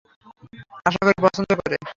আশাকরি পছন্দ করে।